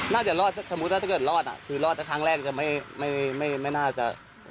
น่าจะรอดถ้าสมมุติว่าถ้าเกิดรอดคือรอดแต่ครั้งแรกจะไม่น่าจะ